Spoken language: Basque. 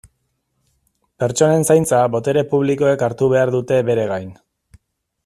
Pertsonen zaintza botere publikoek hartu behar dute bere gain.